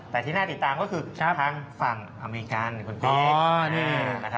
แต่ที่น่าติดตามก็คือทางฝั่งอเมริกันคุณปี๊ก